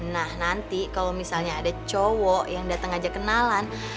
nah nanti kalau misalnya ada cowok yang datang aja kenalan